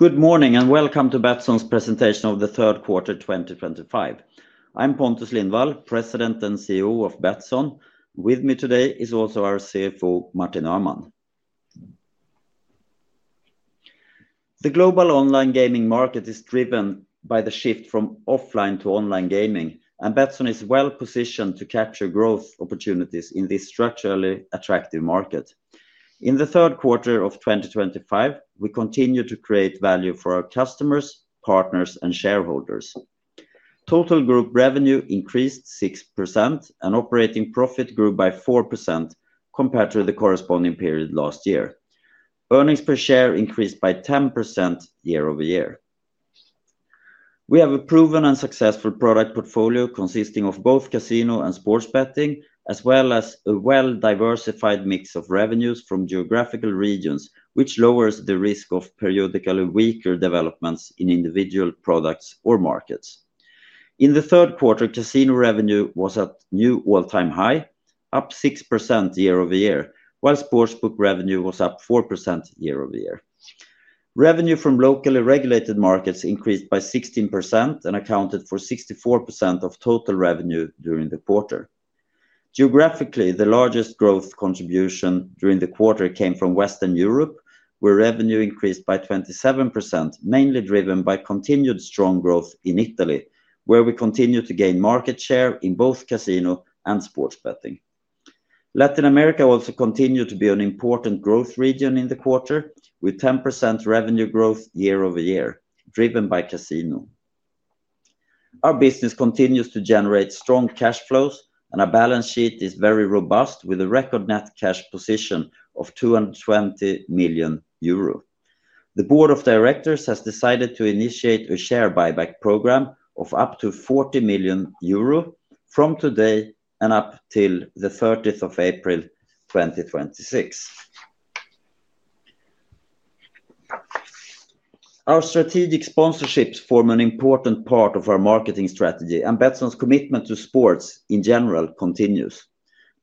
Good morning and welcome to Betsson's presentation of the third quarter 2025. I'm Pontus Lindwall, President and CEO of Betsson. With me today is also our CFO, Martin Öhman. The global online gaming market is driven by the shift from offline to online gaming, and Betsson is well positioned to capture growth opportunities in this structurally attractive market. In the third quarter of 2025, we continue to create value for our customers, partners, and shareholders. Total group revenue increased 6%, and operating profit grew by 4% compared to the corresponding period last year. Earnings per share increased by 10% year-over-year. We have a proven and successful product portfolio consisting of both casino and sports betting, as well as a well-diversified mix of revenues from geographical regions, which lowers the risk of periodically weaker developments in individual products or markets. In the third quarter, casino revenue was at a new all-time high, up 6% year-over-year, while sportsbook revenue was up 4% year-over-year. Revenue from locally regulated markets increased by 16% and accounted for 64% of total revenue during the quarter. Geographically, the largest growth contribution during the quarter came from Western Europe, where revenue increased by 27%, mainly driven by continued strong growth in Italy, where we continue to gain market share in both casino and sports betting. Latin America also continued to be an important growth region in the quarter, with 10% revenue growth year-over-year, driven by casino. Our business continues to generate strong cash flows, and our balance sheet is very robust, with a record net cash position of €220 million. The Board of Directors has decided to initiate a share buyback program of up to €40 million from today and up till the 30th of April 2026. Our strategic sponsorships form an important part of our marketing strategy, and Betsson's commitment to sports in general continues.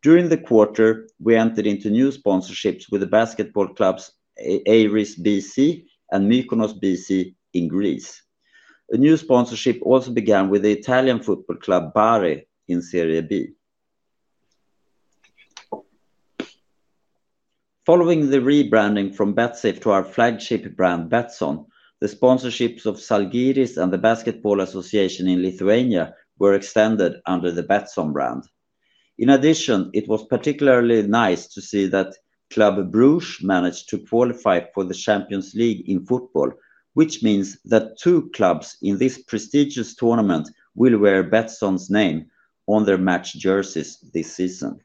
During the quarter, we entered into new sponsorships with the basketball clubs AEGRIS BC and MYKONOS BC in Greece. A new sponsorship also began with the Italian football club Bari in Serie B. Following the rebranding from BetSafe to our flagship brand Betsson, the sponsorships of Salgiris and the Basketball Association in Lithuania were extended under the Betsson brand. In addition, it was particularly nice to see that Club Brugge managed to qualify for the Champions League in football, which means that two clubs in this prestigious tournament will wear Betsson's name on their match jerseys this season.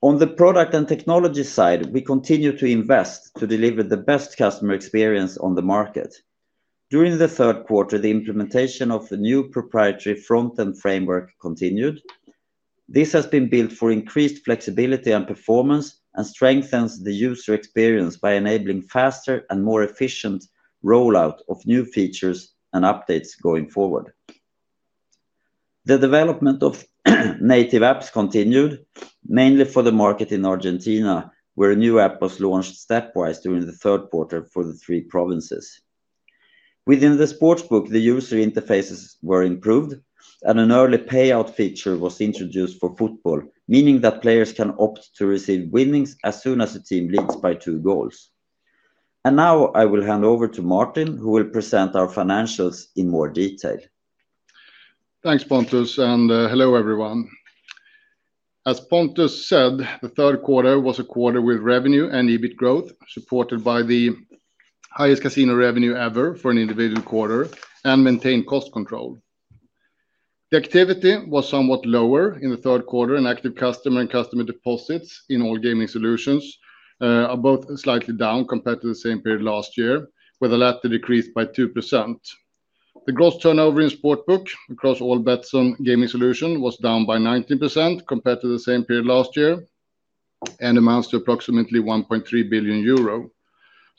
On the product and technology side, we continue to invest to deliver the best customer experience on the market. During the third quarter, the implementation of a new proprietary front-end framework continued. This has been built for increased flexibility and performance and strengthens the user experience by enabling faster and more efficient rollout of new features and updates going forward. The development of native apps continued, mainly for the market in Argentina, where a new app was launched stepwise during the third quarter for the three provinces. Within the Sportsbook, the user interfaces were improved, and an early payout feature was introduced for football, meaning that players can opt to receive winnings as soon as a team leads by two goals. I will hand over to Martin, who will present our financials in more detail. Thanks, Pontus, and hello everyone. As Pontus said, the third quarter was a quarter with revenue and EBIT growth supported by the highest casino revenue ever for an individual quarter and maintained cost control. The activity was somewhat lower in the third quarter, and active customer and customer deposits in all gaming solutions are both slightly down compared to the same period last year, with the latter decrease by 2%. The gross turnover in sportsbook across all Betsson gaming solutions was down by 19% compared to the same period last year and amounts to approximately €1.3 billion.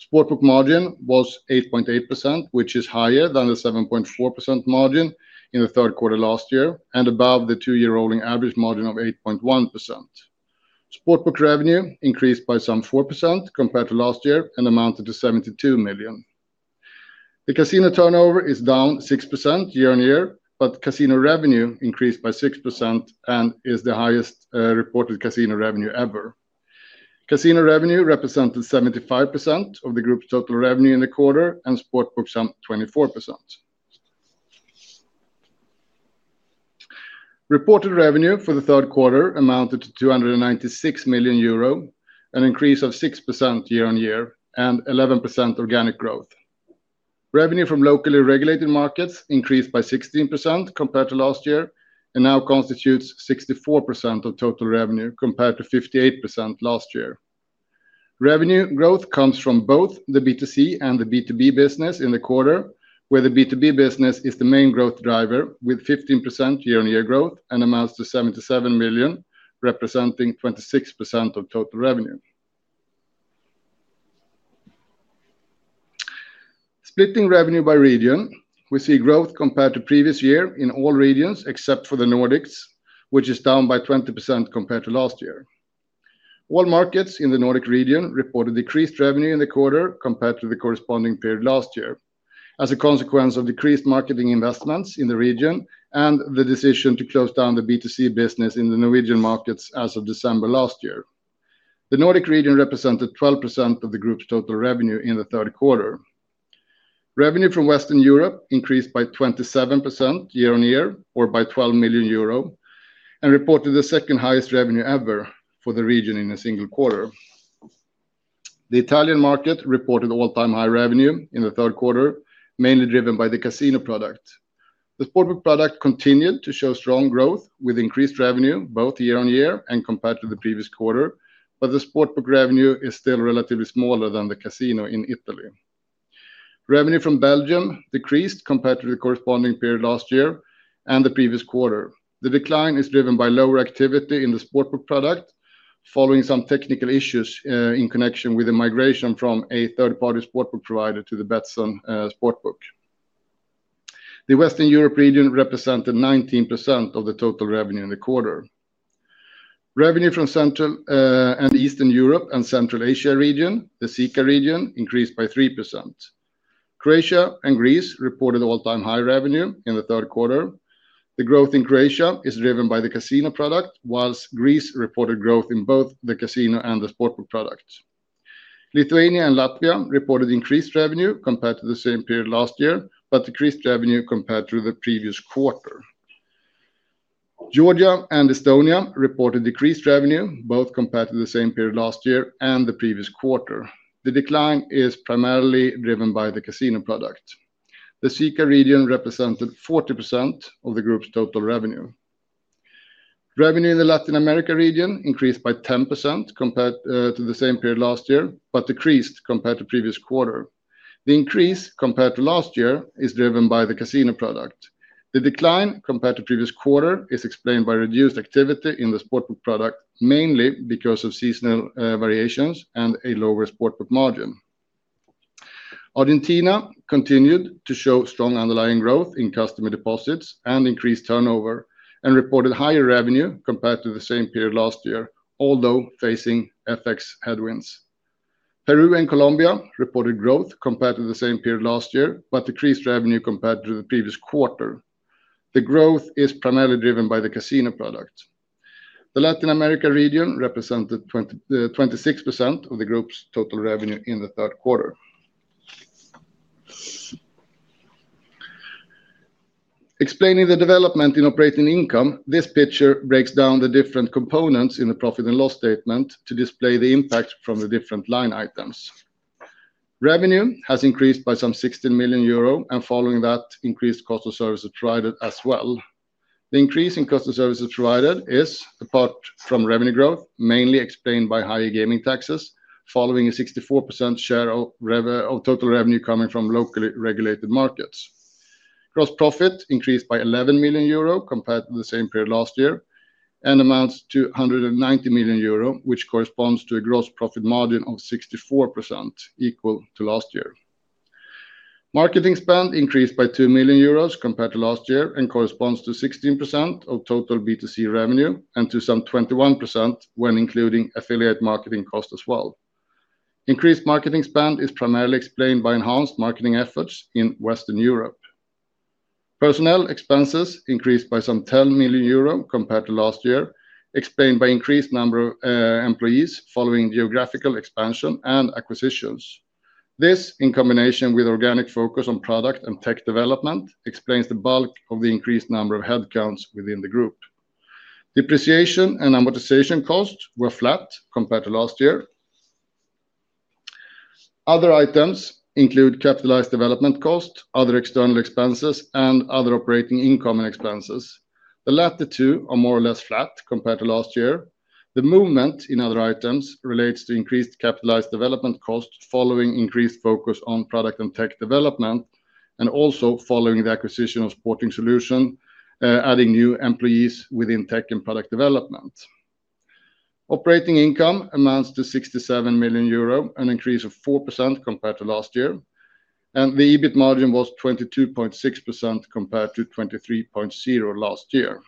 Sportsbook margin was 8.8%, which is higher than the 7.4% margin in the third quarter last year and above the two-year rolling average margin of 8.1%. Sportsbook revenue increased by some 4% compared to last year and amounted to €72 million. The casino turnover is down 6% year on year, but casino revenue increased by 6% and is the highest reported casino revenue ever. Casino revenue represented 75% of the group's total revenue in the quarter, and sportsbooks some 24%. Reported revenue for the third quarter amounted to €296 million, an increase of 6% year on year, and 11% organic growth. Revenue from locally regulated markets increased by 16% compared to last year and now constitutes 64% of total revenue compared to 58% last year. Revenue growth comes from both the B2C and the B2B business in the quarter, where the B2B business is the main growth driver, with 15% year-on-year growth and amounts to €77 million, representing 26% of total revenue. Splitting revenue by region, we see growth compared to previous year in all regions except for the Nordics, which is down by 20% compared to last year. All markets in the Nordic region reported decreased revenue in the quarter compared to the corresponding period last year as a consequence of decreased marketing investments in the region and the decision to close down the B2C business in the Norwegian markets as of December last year. The Nordic region represented 12% of the group's total revenue in the third quarter. Revenue from Western Europe increased by 27% year on year or by €12 million and reported the second highest revenue ever for the region in a single quarter. The Italian market reported all-time high revenue in the third quarter, mainly driven by the casino product. The Sportsbook product continued to show strong growth with increased revenue both year on year and compared to the previous quarter, but the Sportsbook revenue is still relatively smaller than the Casino in Italy. Revenue from Belgium decreased compared to the corresponding period last year and the previous quarter. The decline is driven by lower activity in the Sportsbook product following some technical issues in connection with the migration from a third-party Sportsbook provider to the Betsson Sportsbook. The Western Europe region represented 19% of the total revenue in the quarter. Revenue from Central and Eastern Europe and Central Asia region, the SICA region, increased by 3%. Croatia and Greece reported all-time high revenue in the third quarter. The growth in Croatia is driven by the Casino product, whilst Greece reported growth in both the Casino and the Sportsbook product. Lithuania and Latvia reported increased revenue compared to the same period last year, but decreased revenue compared to the previous quarter. Georgia and Estonia reported decreased revenue both compared to the same period last year and the previous quarter. The decline is primarily driven by the Casino product. The SICA region represented 40% of the group's total revenue. Revenue in the Latin America region increased by 10% compared to the same period last year, but decreased compared to the previous quarter. The increase compared to last year is driven by the Casino product. The decline compared to the previous quarter is explained by reduced activity in the Sportsbook product, mainly because of seasonal variations and a lower Sportsbook margin. Argentina continued to show strong underlying growth in customer deposits and increased turnover and reported higher revenue compared to the same period last year, although facing FX headwinds. Peru and Colombia reported growth compared to the same period last year, but decreased revenue compared to the previous quarter. The growth is primarily driven by the Casino product. The Latin America region represented 26% of the group's total revenue in the third quarter. Explaining the development in operating income, this picture breaks down the different components in the profit and loss statement to display the impact from the different line items. Revenue has increased by some €16 million, and following that, increased cost of services provided as well. The increase in cost of services provided is, apart from revenue growth, mainly explained by higher gaming taxes following a 64% share of total revenue coming from locally regulated markets. Gross profit increased by €11 million compared to the same period last year and amounts to €190 million, which corresponds to a gross profit margin of 64%, equal to last year. Marketing spend increased by €2 million compared to last year and corresponds to 16% of total B2C revenue and to some 21% when including affiliate marketing costs as well. Increased marketing spend is primarily explained by enhanced marketing efforts in Western Europe. Personnel expenses increased by some €10 million compared to last year, explained by increased number of employees following geographical expansion and acquisitions. This, in combination with organic focus on product and tech development, explains the bulk of the increased number of headcounts within the group. Depreciation and amortization costs were flat compared to last year. Other items include capitalized development costs, other external expenses, and other operating income and expenses. The latter two are more or less flat compared to last year. The movement in other items relates to increased capitalized development costs following increased focus on product and tech development and also following the acquisition of Sporting Solutions, adding new employees within tech and product development. Operating income amounts to €67 million, an increase of 4% compared to last year, and the EBIT margin was 22.6% compared to 23.0% last year.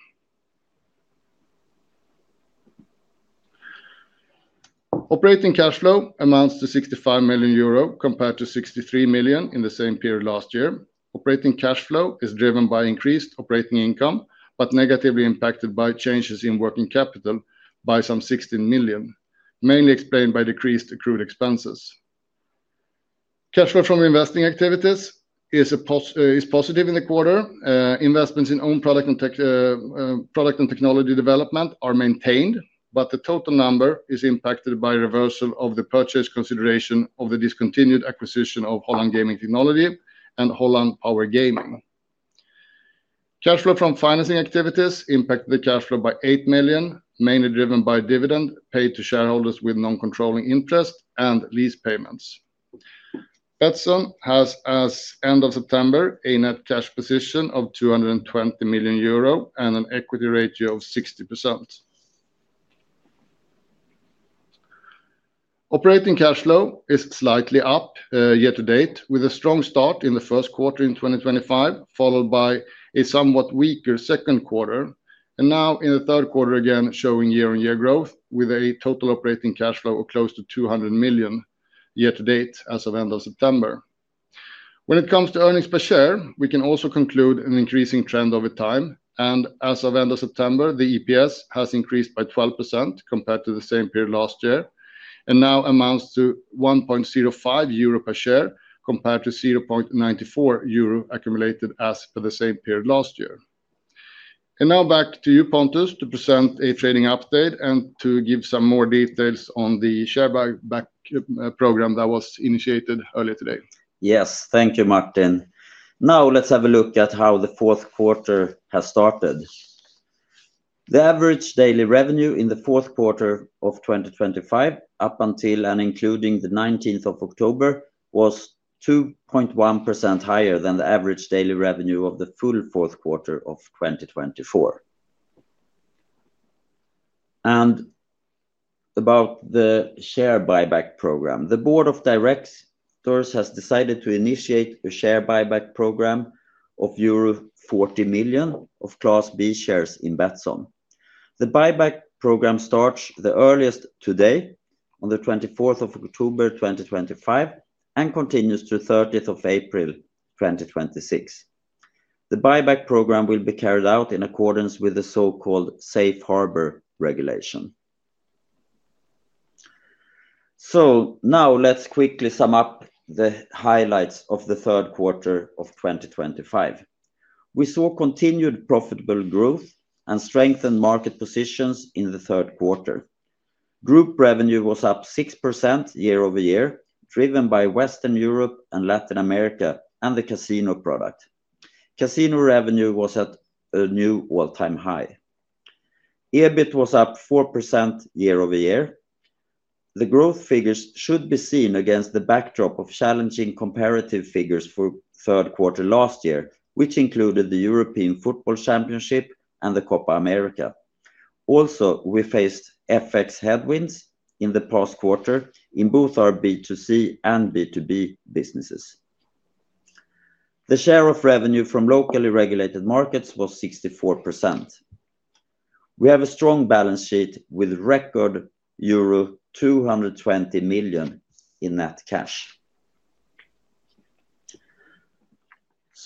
Operating cash flow amounts to €65 million compared to €63 million in the same period last year. Operating cash flow is driven by increased operating income, but negatively impacted by changes in working capital by some €16 million, mainly explained by decreased accrued expenses. Cash flow from investing activities is positive in the quarter. Investments in own product and technology development are maintained, but the total number is impacted by reversal of the purchase consideration of the discontinued acquisition of Holland Gaming Technology and Holland Power Gaming. Cash flow from financing activities impacted the cash flow by €8 million, mainly driven by dividend paid to shareholders with non-controlling interest and lease payments. Betsson has as end of September a net cash position of €220 million and an equity ratio of 60%. Operating cash flow is slightly up year to date with a strong start in the first quarter in 2025, followed by a somewhat weaker second quarter, and now in the third quarter again showing year-on-year growth with a total operating cash flow of close to €200 million year to date as of end of September. When it comes to earnings per share, we can also conclude an increasing trend over time, and as of end of September, the EPS has increased by 12% compared to the same period last year and now amounts to €1.05 per share compared to €0.94 accumulated as per the same period last year. Now back to you, Pontus, to present a trading update and to give some more details on the share buyback program that was initiated earlier today. Yes, thank you, Martin. Now let's have a look at how the fourth quarter has started. The average daily revenue in the fourth quarter of 2025 up until and including the 19th of October was 2.1% higher than the average daily revenue of the full fourth quarter of 2024. About the share buyback program, the Board of Directors has decided to initiate a share buyback program of €40 million of Class B shares in Betsson. The buyback program starts the earliest today, on the 24th of October 2025, and continues to the 30th of April 2026. The buyback program will be carried out in accordance with the so-called Safe Harbor regulation. Now let's quickly sum up the highlights of the third quarter of 2025. We saw continued profitable growth and strengthened market positions in the third quarter. Group revenue was up 6% year-over-year, driven by Western Europe and Latin America and the Casino product. Casino revenue was at a new all-time high. EBIT was up 4% year-over-year. The growth figures should be seen against the backdrop of challenging comparative figures for the third quarter last year, which included the European Football Championship and the Copa América. We faced FX headwinds in the past quarter in both our B2C and B2B businesses. The share of revenue from locally regulated markets was 64%. We have a strong balance sheet with record €220 million in net cash.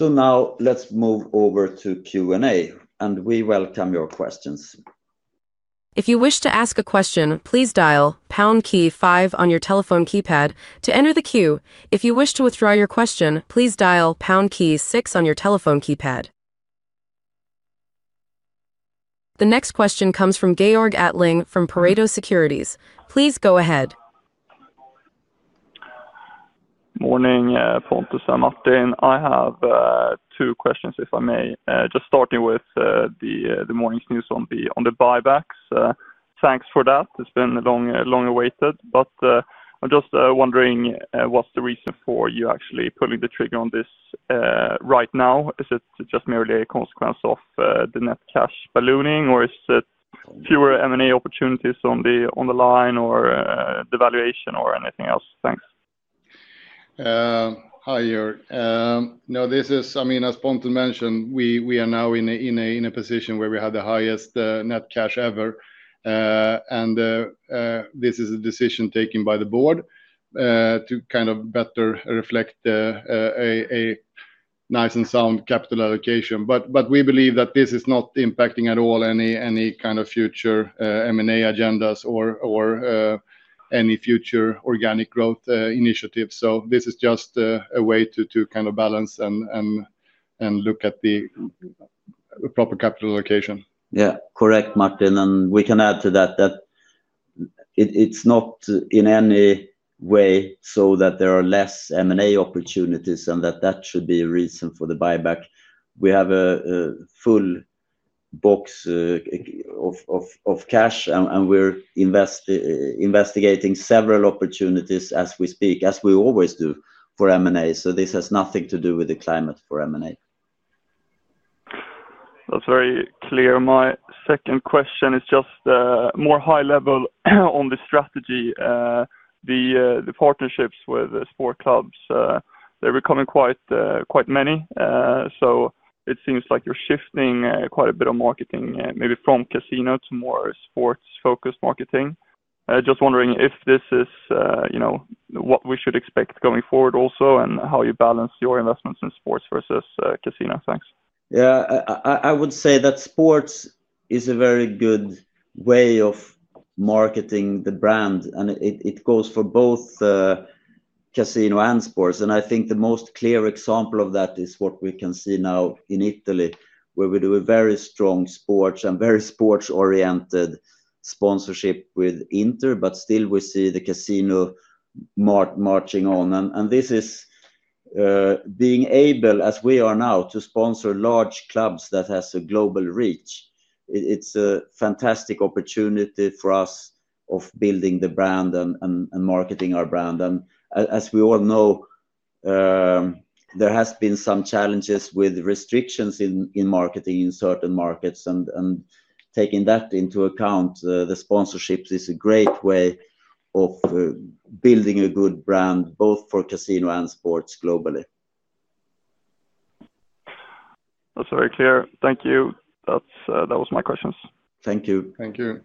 Now let's move over to Q&A, and we welcome your questions. If you wish to ask a question, please dial pound key five on your telephone keypad to enter the queue. If you wish to withdraw your question, please dial pound key six on your telephone keypad. The next question comes from Georg Attling from Pareto Securities. Please go ahead. Morning, Pontus and Martin. I have two questions, if I may. Just starting with the morning's news on the buybacks. Thanks for that. It's been long awaited, but I'm just wondering what's the reason for you actually pulling the trigger on this right now? Is it just merely a consequence of the net cash ballooning, or is it fewer M&A opportunities on the line or devaluation or anything else? Thanks. Hi Georg. As Pontus mentioned, we are now in a position where we had the highest net cash ever, and this is a decision taken by the board to kind of better reflect a nice and sound capital allocation. We believe that this is not impacting at all any kind of future M&A agendas or any future organic growth initiatives. This is just a way to kind of balance and look at the proper capital allocation. Correct, Martin. We can add to that that it's not in any way so that there are less M&A opportunities and that that should be a reason for the buyback. We have a full box of cash, and we're investigating several opportunities as we speak, as we always do for M&A. This has nothing to do with the climate for M&A. That's very clear. My second question is just more high level on the strategy. The partnerships with sports clubs, they're becoming quite many. It seems like you're shifting quite a bit of marketing maybe from Casino to more sports-focused marketing. Just wondering if this is, you know, what we should expect going forward also and how you balance your investments in sports versus Casino. Thanks. Yeah, I would say that sports is a very good way of marketing the brand, and it goes for both Casino and sports. I think the most clear example of that is what we can see now in Italy, where we do a very strong sports and very sports-oriented sponsorship with Inter, but still we see the Casino marching on. This is being able, as we are now, to sponsor large clubs that have a global reach. It's a fantastic opportunity for us of building the brand and marketing our brand. As we all know, there have been some challenges with restrictions in marketing in certain markets, and taking that into account, the sponsorships is a great way of building a good brand both for Casino and sports globally. That's very clear. Thank you. That was my question. Thank you. Thank you.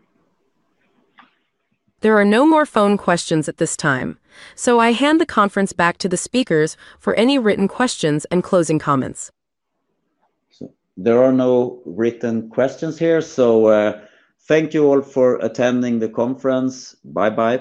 There are no more phone questions at this time, so I hand the conference back to the speakers for any written questions and closing comments. There are no written questions here, so thank you all for attending the conference. Bye-bye.